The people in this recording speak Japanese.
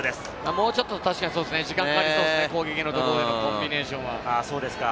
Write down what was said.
もうちょっと時間かかりそうですね、攻撃のところのコンビネーションは。